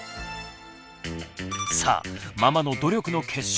さあママの努力の結晶。